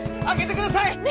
開けてください！